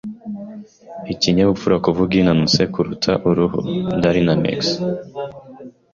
Ikinyabupfura kuvuga inanutse kuruta uruhu. (darinmex)